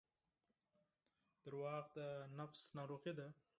• دروغ د نفس ناروغي ده.